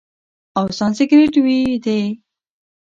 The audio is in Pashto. او سانسکریت ویی دی،